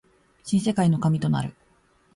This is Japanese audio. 新世界の神となる